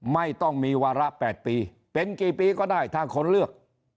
ไม่ต้องมีวาระ๘ปีเป็นกี่ปีก็ได้ถ้าคนเลือก